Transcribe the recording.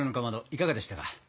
いかがでしたか？